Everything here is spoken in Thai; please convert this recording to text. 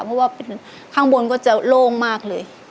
เพราะว่าข้างบนก็จะโล่งมากเลย